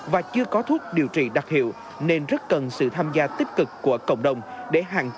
và tránh la nhiễm của người khác